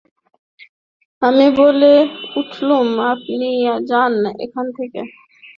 আমি বলে উঠলুম, আপনি যান এখান থেকে।